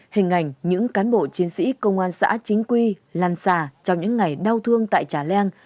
hình ảnh những cán bộ chiến sĩ công an xã chính quy lan sà trong những ngày đau thương tại trà leng